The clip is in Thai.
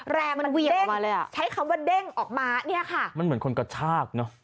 แรงมันเวียงมาเลยอ่ะใช้คำว่าเด้งออกมาเนี่ยค่ะมันเหมือนคนกระชากเนอะ